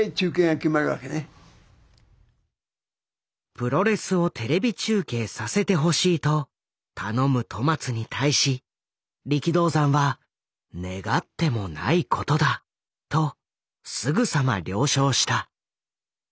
「プロレスをテレビ中継させてほしい」と頼む戸松に対し力道山はとすぐさま了承した。